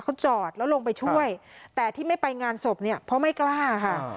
เขาจอดแล้วลงไปช่วยแต่ที่ไม่ไปงานศพเนี่ยเพราะไม่กล้าค่ะ